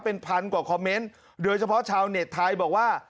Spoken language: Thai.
เป็นพันกว่าคอมเมนต์โดยเฉพาะชาวเน็ตไทยบอกว่า